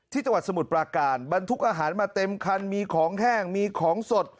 จังหวัดสมุทรปราการบรรทุกอาหารมาเต็มคันมีของแห้งมีของสด